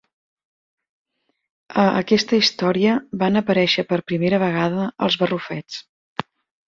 A aquesta història van aparèixer per primera vegada els barrufets.